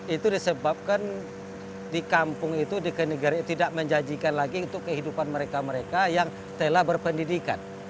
itu disebabkan di kampung itu di kenegari tidak menjanjikan lagi untuk kehidupan mereka mereka yang telah berpendidikan